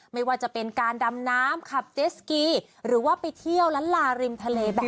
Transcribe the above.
ไม่ว่าจะเป็นการดำน้ำขับเจสกีหรือว่าไปเที่ยวล้านลาริมทะเลแบบนี้